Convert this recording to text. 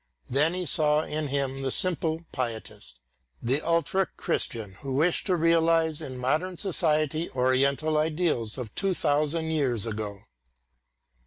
Then he saw in him the simple pietist, the ultra Christian who wished to realise in modern society oriental ideals of two thousand years ago.